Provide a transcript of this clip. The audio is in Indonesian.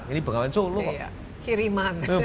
ini bengawan colo kok kiriman